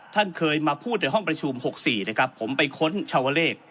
ท่านเคยมาพูดในห้องประชุม๖๔นะครับผมไปค้นชาวเลข